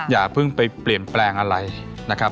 อย่าเพิ่งไปเปลี่ยนแปลงอะไรนะครับ